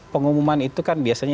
pengumuman itu kan biasanya